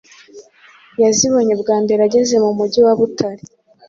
yazibonye bwa mbere ageze mu mujyi wa Butare.